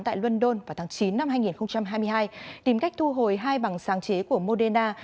tại london vào tháng chín năm hai nghìn hai mươi hai tìm cách thu hồi hai bằng sáng chế của moderna